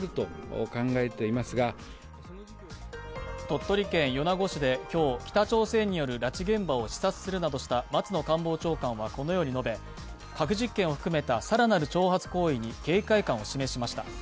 鳥取県米子市で今日、北朝鮮による拉致現場を視察するなどした松野官房長官はこのように述べ、核実験を含めた更なる挑発行為に警戒感を示しました。